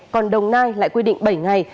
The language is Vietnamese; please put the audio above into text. còn đồng nai lại quy định bảy ngày